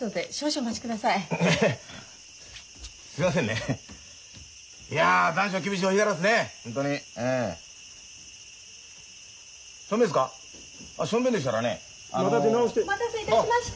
お待たせいたしました。